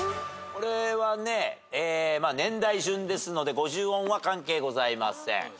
これはね年代順ですので５０音は関係ございません。